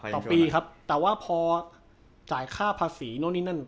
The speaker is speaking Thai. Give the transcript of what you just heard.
ต่อปีครับแต่ว่าพอจ่ายค่าภาษีนู่นนี่นั่น